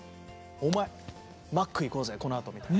「お前マック行こうぜこのあと」みたいな。